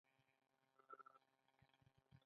آیا کاناډا طبیعي ګاز نلري؟